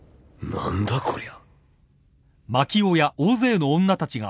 何だこりゃ